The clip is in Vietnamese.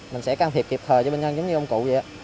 mình sẽ can thiệp kịp thời cho bệnh nhân giống như công cụ vậy